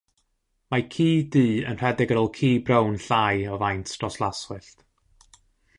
Mae ci du yn rhedeg ar ôl ci brown llai o faint dros laswellt.